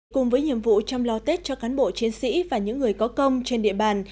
cùng với nhiệm vụ chăm lo tết cho cán bộ chiến sĩ và những người có công trên địa bàn